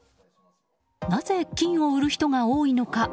なぜ金を売る人が多いのか？